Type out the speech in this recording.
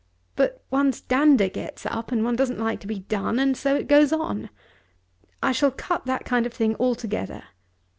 But one's dander gets up, and one doesn't like to be done, and so it goes on. I shall cut that kind of thing altogether.